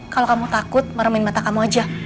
kalau kamu takut meremin mata kamu aja